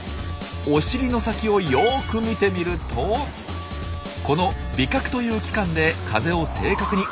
お尻の先をよく見てみるとこの「尾角」という器官で風を正確に感じ取れるんです。